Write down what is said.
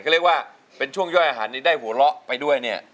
ก็เรียกว่าเป็นช่วงย่อยอาหารนี้ได้หัวเราะไปด้วยเนี่ย